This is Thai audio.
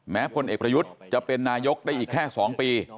พลเอกประยุทธ์จะเป็นนายกได้อีกแค่๒ปี